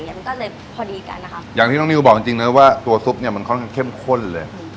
มันก็เลยพอดีกันนะครับอย่างที่น้องนิวบอกจริงจริงนะว่าตัวซุปเนี้ยมันค่อนข้างเข้มข้นเลย